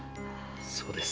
そうです。